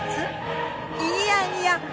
いやいや！